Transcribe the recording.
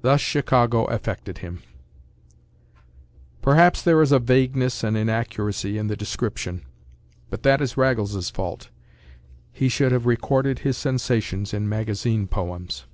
Thus Chicago affected him. Perhaps there is a vagueness and inaccuracy in the description; but that is Raggles’s fault. He should have recorded his sensations in magazine poems.